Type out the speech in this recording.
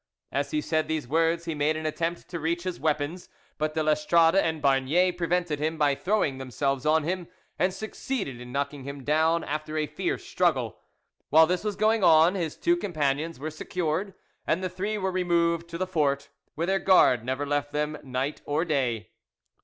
As he said these words he made an attempt to reach his weapons, but de l'Estrade and Barnier prevented him by throwing themselves on him, and succeeded in knocking him down after a fierce struggle. While, this was going on, his two companions were secured, and the three were removed to the fort, where their guard never left them night or day.